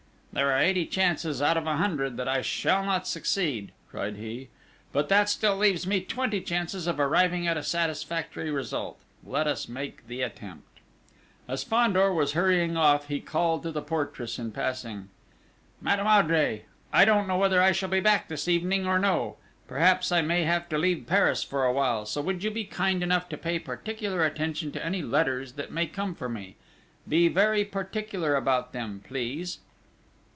"There are eighty chances out of a hundred that I shall not succeed," cried he; "but that still leaves me twenty chances of arriving at a satisfactory result let us make the attempt!" As Fandor was hurrying off, he called to the portress in passing: "Madame Oudry, I don't know whether I shall be back this evening or no. Perhaps I may have to leave Paris for awhile, so would you be kind enough to pay particular attention to any letters that may come for me be very particular about them, please!"